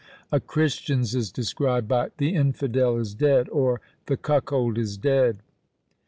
A Christian's is described by "The infidel is dead!" or, "The cuckold is dead."